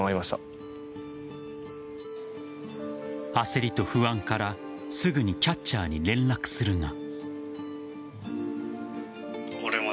焦りと不安からすぐにキャッチャーに連絡するが。